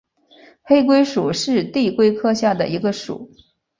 黑龟属是地龟科下的一个属。